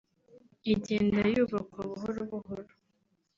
igenda yubakwa buhoro buhoro